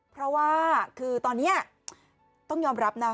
เพราะว่าคือตอนนี้ต้องยอมรับนะ